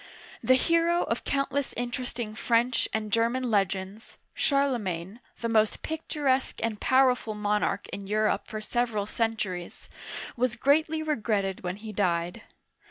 The hero of countless interesting French and German legends, Charlemagne, the most picturesque and powerful monarch in Europe for several centuries, was greatly re gretted when he died.